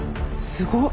すごっ！